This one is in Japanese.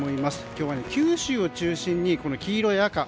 今日は九州を中心に黄色い赤。